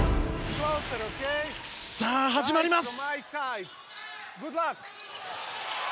さあ、始まります！